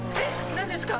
何ですか？